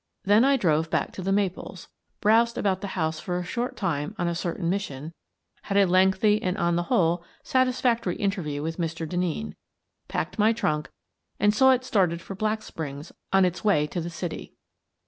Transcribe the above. Then I drove back to " The Maples/' browsed about the house for a short time on a certain mission, had a lengthy and on the whole satisfactory interview with Mr. Denneen, packed my trunk and saw it started for Black Springs on its way to the city.